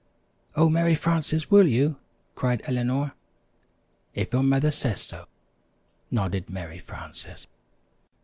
"Oh, Mary Frances, will you?" cried Eleanor. "If your mother says so," nodded Mary Frances.